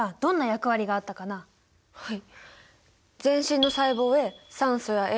はい。